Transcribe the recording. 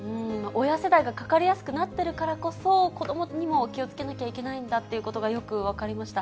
親世代がかかりやすくなっているからこそ、子どもにも気をつけなきゃいけないんだっていうことがよく分かりました。